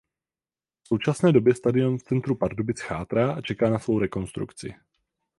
V současné době stadion v centru Pardubic chátrá a čeká na svou rekonstrukci.